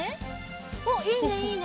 おっいいねいいね！